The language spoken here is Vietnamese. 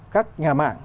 các nhà mạng